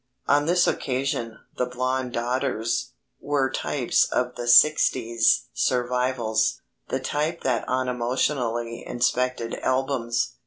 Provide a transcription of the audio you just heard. On this occasion the blond daughters were types of the sixties' survivals the type that unemotionally inspected albums.